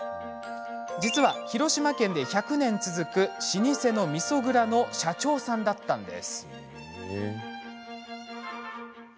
実は、広島県で１００年続く老舗のみそ蔵の社長さんだったんです。